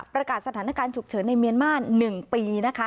สถานการณ์ฉุกเฉินในเมียนมาร์๑ปีนะคะ